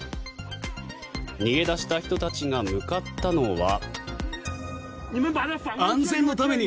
逃げ出した人たちが向かったのは。